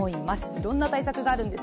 いろんな対策があるんです。